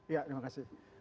ya terima kasih